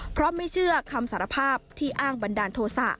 เพราะไม่เชื่อคำสารภาพที่อ้างบันดาลโทษะ